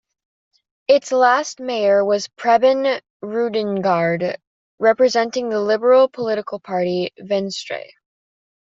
Its last mayor was Preben Rudiengaard, representing the liberal political party, "Venstre".